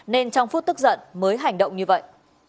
nên trong phút tức giận mới hành động như vậy